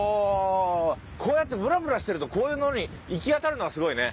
こうやってぶらぶらしてるとこういうのに行き当たるのがすごいね。